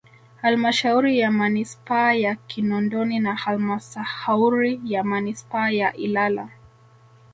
Halmashauri ya Manispaa ya Kinondoni na halmasahauri ya manispaa ya Ilala